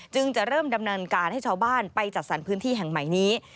จะเริ่มดำเนินการให้ชาวบ้านไปจัดสรรพื้นที่แห่งใหม่นี้